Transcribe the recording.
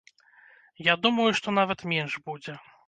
Я думаю, што нават менш будзе.